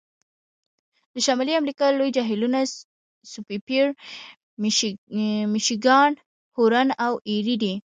د شمالي امریکا لوی جهیلونه سوپریر، میشیګان، هورن او ایري دي.